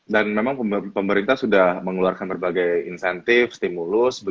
dan memang pemerintah sudah mengeluarkan berbagai insentif stimulus